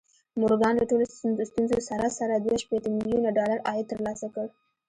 مورګان له ټولو ستونزو سره سره دوه شپېته ميليونه ډالر عايد ترلاسه کړ.